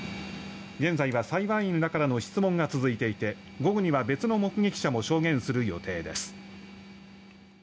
現在は裁判員らからの質問が続いていて午後には別の目撃者も証言する予定です。